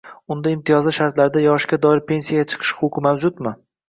unda imtiyozli shartlarda yoshga doir pensiyaga chiqish huquqi mavjudmi?